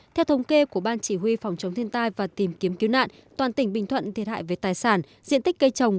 theo thống kê của ban chỉ huy phòng chống thiên tai và tìm kiếm cứu nạn toàn tỉnh bình thuận thiệt hại về tài sản diện tích cây trồng